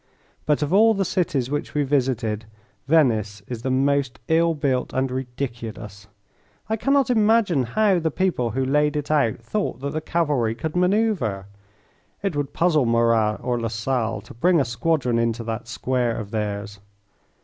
But of all the cities which we visited Venice is the most ill built and ridiculous. I cannot imagine how the people who laid it out thought that the cavalry could manoeuvre. It would puzzle Murat or Lassalle to bring a squadron into that square of theirs.